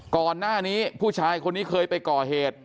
ก่อนหน้านี้ผู้ชายคนนี้เคยไปก่อเหตุ